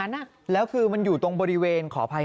ไม่ได้ไม่ได้